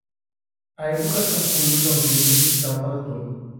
A educação pública é um direito essencial para todos.